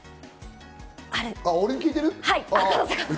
あ、俺に聞いてる？